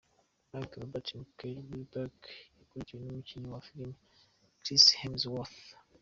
Mark Robert Michael Wahlberg yakurikiwe n’umukinnyi wa filimi Chris Hemsworth .